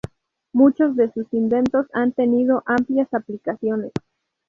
Muchos de sus inventos han tenido amplias aplicaciones.